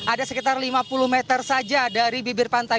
ada sekitar lima puluh meter saja dari bibir pantai